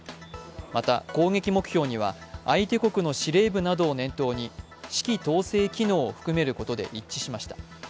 また、攻撃目標には相手国の司令部などを念頭に指揮統制機能を含めることで一致しました。